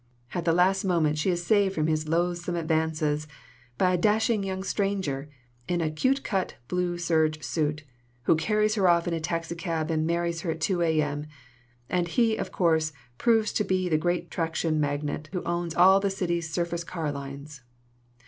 At the last moment she is saved from his loathsome advances by a dashing young stranger in a cute cut blue serge suit, who carries her off in a taxicab and marries her at 2 A.M. And he, of course, proves to be the great traction magnate who owns all the city's surface car lines.